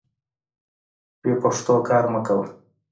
بې پښتو کار مه کوه.